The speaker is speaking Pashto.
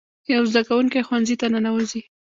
یو زده کوونکی ښوونځي ته ننوځي.